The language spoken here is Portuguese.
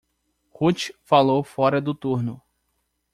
Ruth falou fora do turno.